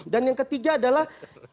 dan yang ketiga adalah